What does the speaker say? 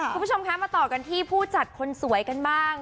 คุณผู้ชมคะมาต่อกันที่ผู้จัดคนสวยกันบ้าง